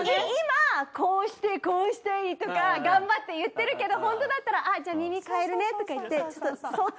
今こうしてこうしたいとか頑張って言ってるけどホントだったらあっじゃあ耳かえるねとか言って。